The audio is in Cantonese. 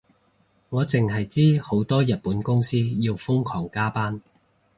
我淨係知好多日本公司要瘋狂加班